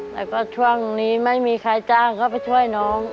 แล้วก็ช่วงนี้ไม่มีใครจ้างเขาไปช่วยน้อง